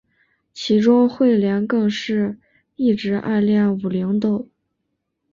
其中彗莲更是一直暗恋武零斗。